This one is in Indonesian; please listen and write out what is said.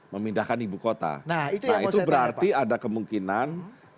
memindahkan ibu kota nah itu berarti ada kemungkinan